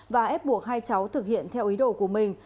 và ép buộc hai cháu thực hiện theo ý đồ của mình